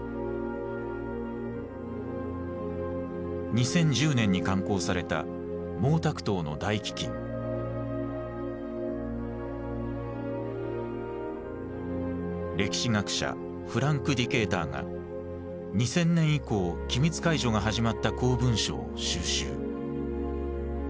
２０１０年に刊行された歴史学者フランク・ディケーターが２０００年以降機密解除が始まった公文書を収集。